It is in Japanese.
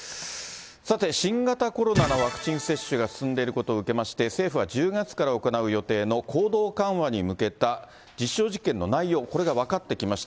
さて、新型コロナのワクチン接種が進んでいることを受けまして、政府は１０月から行う予定の行動緩和に向けた実証実験の内容、これが分かってきました。